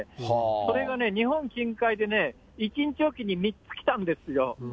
それがね、日本近海で１日置きに３つ来たんですよ。